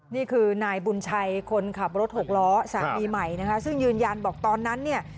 นี่คือนายบุญชัยคนขับรถหกล้อสามีใหม่นะคะซึ่งยืนยันบอกตอนนั้นเนี่ย